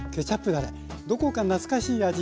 どこか懐かしい味